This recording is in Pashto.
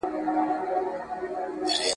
خپله خولۍ ئې ایسته کړه.